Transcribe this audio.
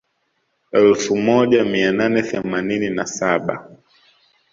Elfu moja mia nane themanini na saba